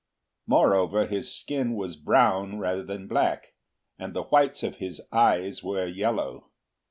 Moreover, his skin was brown rather than black, and the whites of his eyes were yellow.